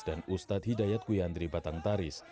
dan ustadz hidayat kuyandri batang taris